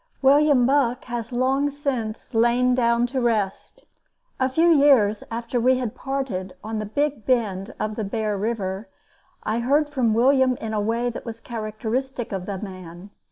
William Buck has long since lain down to rest. A few years after we had parted on the big bend of the Bear River, I heard from William in a way that was characteristic of the man.